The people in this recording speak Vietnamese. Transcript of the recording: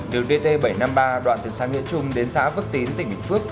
đường dt bảy trăm năm mươi ba đoạn từ sàng nghĩa trung đến xã vức tín tỉnh bình phước